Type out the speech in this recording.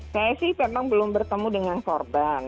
saya sih memang belum bertemu dengan korban